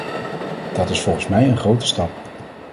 Dat is volgens mij een grote stap.